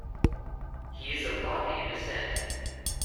He is of Latvian descent.